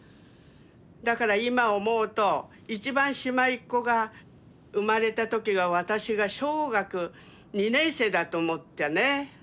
だから今思うと一番しまいっ子が生まれた時が私が小学２年生だと思ったね。